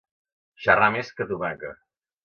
Xerrar més que Tomaca.